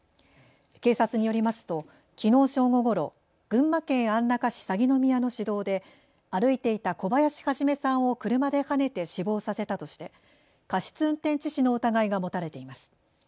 警察によりますときのう正午ごろ、群馬県安中市鷺宮の市道で歩いていた小林一さんを車ではねて死亡させたとして過失運転致死の疑いが持たれています。